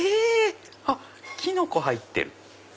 あっキノコ入ってる。